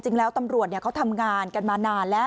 จริงแล้วตำรวจเนี่ยเขาทำงานกันมานานแล้ว